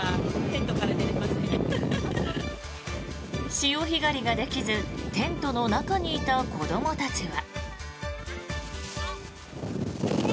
潮干狩りができずテントの中にいた子どもたちは。